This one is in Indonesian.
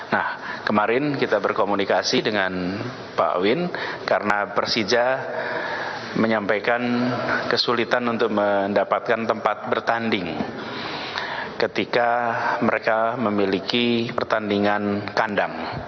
nah kemarin kita berkomunikasi dengan pak win karena persija menyampaikan kesulitan untuk mendapatkan tempat bertanding ketika mereka memiliki pertandingan kandang